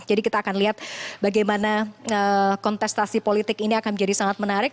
jadi kita akan lihat bagaimana kontestasi politik ini akan menjadi sangat menarik